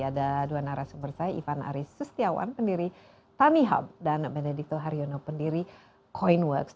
ada dua narasumber saya ivan aris sustiawan pendiri tanihub dan benedikto haryono pendiri coinworks